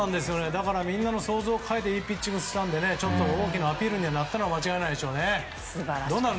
だからみんなの想像を超えていいピッチングだったので大きなアピールになったのは間違いないでしょうね。